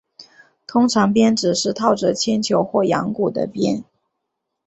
通常鞭子是套着铅球或羊骨的鞭。